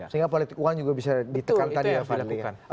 sehingga politik uang juga bisa ditekan tadi ya pak lebih